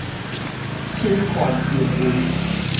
侵權行為